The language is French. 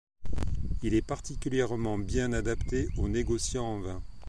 Il est particulièrement bien adapté aux négociants en vin.